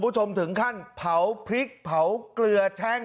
จมถึงขั้นเผาพริกเกลือแช่ง